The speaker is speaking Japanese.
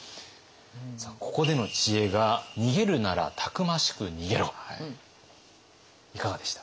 さあここでの知恵がいかがでした？